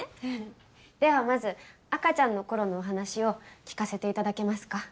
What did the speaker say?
ではまず赤ちゃんの頃のお話を聞かせて頂けますか？